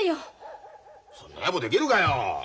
そんなやぼできるかよ！